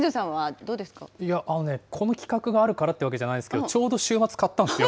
いや、あのね、この企画があるからっていうわけじゃないですけどちょうど週末、本当に？